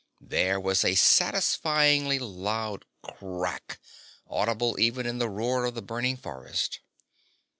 There was a satisfyingly loud crack, audible, even in the roar of the burning forest.